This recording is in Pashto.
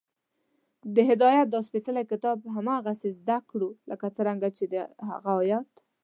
د هدایت دا سپېڅلی کتاب هغسې زده کړو، لکه څنګه چې د هغه تلاوت